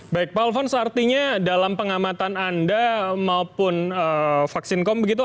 baik pak alfons artinya dalam pengamatan anda maupun vaksin com begitu